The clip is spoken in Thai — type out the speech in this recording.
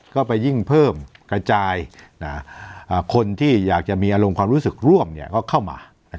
ก็ไปยิ่งเพิ่มกระจายคนที่อยากจะมีอารมณ์ความรู้สึกร่วมก็เข้ามา